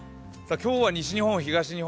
今日は西日本、東日本